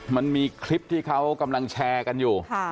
มันมีคลิปที่เขากำลังแชร์กันอยู่